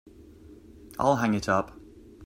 I'll hang it up.